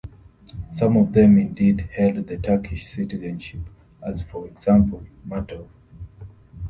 Some of them indeed held the Turkish citizenship as for example Martov.